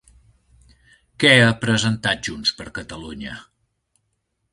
Què ha presentat Junts per Catalunya?